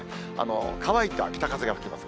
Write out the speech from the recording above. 乾いた北風が吹きます。